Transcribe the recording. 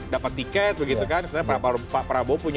dapat tiket pak prabowo